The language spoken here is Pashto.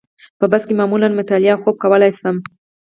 په بس کې معمولاً مطالعه او خوب کولای شم.